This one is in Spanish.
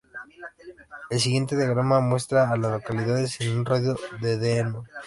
El siguiente diagrama muestra a las localidades en un radio de de Elon.